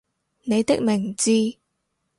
你的名字